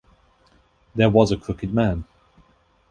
There Was a Crooked Man...